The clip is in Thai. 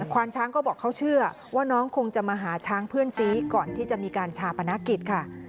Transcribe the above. ความช้างก็บอกเขาเชื่อว่าน้องคงจะมาหาช้างเพื่อนซีก่อนที่จะมีการชาปนกิจค่ะ